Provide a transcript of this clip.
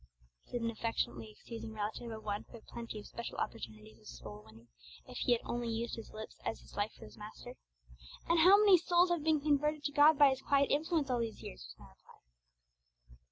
said an affectionately excusing relative of one who had plenty of special opportunities of soul winning, if he had only used his lips as well as his life for his Master. 'And how many souls have been converted to God by his "quiet influence" all these years?' was my reply.